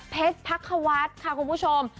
เพชรภักขวัสค่ะคุณผู้ชม